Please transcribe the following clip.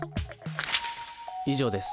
以上です。